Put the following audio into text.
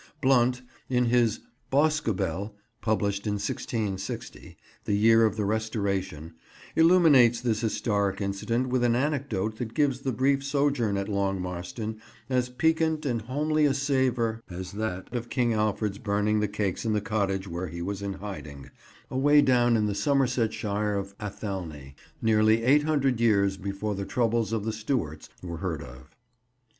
Blount, in his Boscobel, published in 1660, the year of the Restoration, illuminates this historic incident with an anecdote that gives the brief sojourn at Long Marston as piquant and homely a savour as that of King Alfred's burning the cakes in the cottage where he was in hiding, away down in the Somersetshire Isle of Athelney, nearly eight hundred years before the troubles of the Stuarts were heard of.